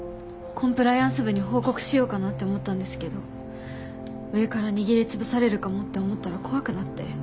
コンプライアンス部に報告しようかなって思ったんですけど上から握りつぶされるかもって思ったら怖くなって。